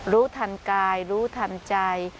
รู้ทันกายรู้ทันใจ